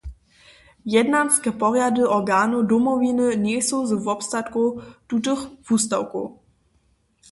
Jednanske porjady organow Domowiny njejsu z wobstatkom tutych wustawkow.